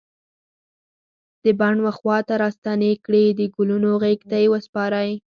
د بڼ و خواته راستنې کړي د ګلونو غیږ ته یې وسپاری